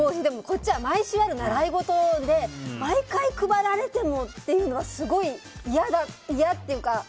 でもこっちは毎週ある習い事で毎回、配られてもっていうのはすごい嫌っていうか。